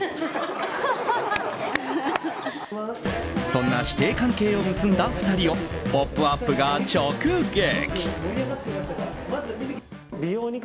そんな師弟関係を結んだ２人を「ポップＵＰ！」が直撃。